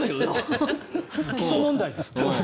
基礎問題です。